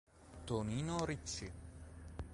Tonino Ricci